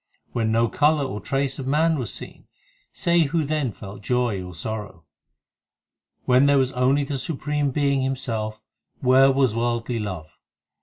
When no colour or trace of man was seen, Say who then felt joy or sorrow. When there was only the Supreme Being Himself, Where was worldly love ?